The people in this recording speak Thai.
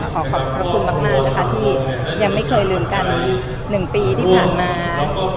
ขอขอบพระคุณมากนะคะที่ยังไม่เคยลืมกัน๑ปีที่ผ่านมา